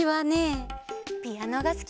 ピアノがすきだな！